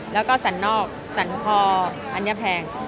แล้วก็สันนอกสันคออันนี้แพง